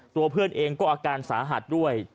ตัวเพื่อนเองก็อาการสาหัสด้วย